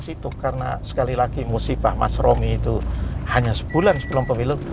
dua ribu sembilan belas itu karena sekali lagi musibah mas romi itu hanya sebulan sebelum pemilu